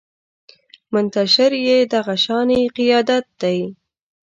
منتشر يې دغه شانې قیادت دی